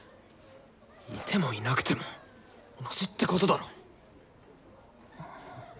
いてもいなくても同じってことだろ。